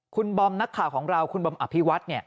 คุณบอมนักข่าวของเราคุณบอมอภิวัฒน์